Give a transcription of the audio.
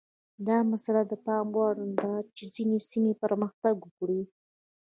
دا مسئله د پام وړ ده چې ځینې سیمې پرمختګ وکړي.